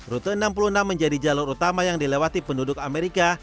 rute enam puluh enam menjadi jalur utama yang dilewati penduduk amerika